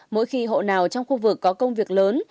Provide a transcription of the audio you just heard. mỗi khi hộ nào trong khu vực có công việc lớn